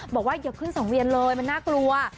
บอกว่าอย่าขึ้นสังเวียนเลยมันน่ากลัว